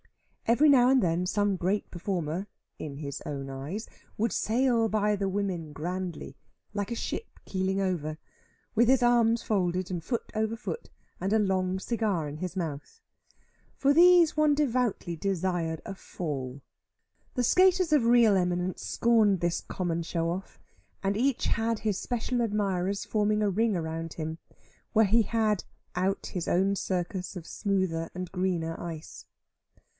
Every now and then some great performer (in his own eyes) would sail by the women grandly (like a ship heeling over), with his arms folded and foot over foot, and a long cigar in his mouth. For these one devoutly desired a fall. The skaters of real eminence scorned this common show off, and each had his special admirers forming a ring around him, where he had cut his own circus of smoother and greener ice.